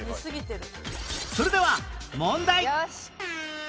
それでは問題